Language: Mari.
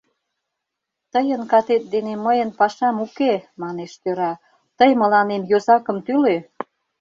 Тыйын катет дене мыйын пашам уке, манеш тӧра, тый мыланем йозакым тӱлӧ...